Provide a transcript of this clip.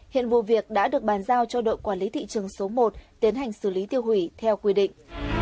hiện vụ việc đã được bàn giao cho đội quản lý thị trường số một tiến hành xử lý tiêu hủy theo quy định